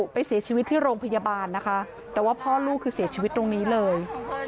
ไปเสียชีวิตที่โรงพยาบาลนะคะแต่ว่าพ่อลูกคือเสียชีวิตตรงนี้เลย